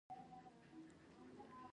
اوښکې په سترګو کې ډنډ شوې.